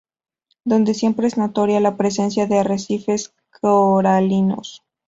Donde siempre es notoria la presencia de arrecifes coralinos.